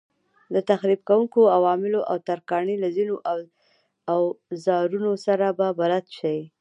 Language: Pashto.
د تخریب کوونکو عواملو او ترکاڼۍ له ځینو اوزارونو سره به بلد شئ.